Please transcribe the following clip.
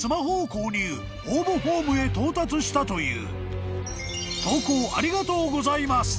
［応募フォームへ到達したという］